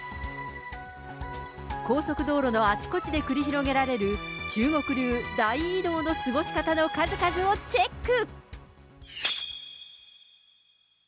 高速道路のあちこちで繰り広げられる中国流、大移動の過ごし方の数々をチェック。